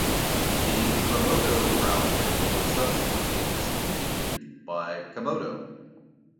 The Chromodo browser was subsequently discontinued by Comodo.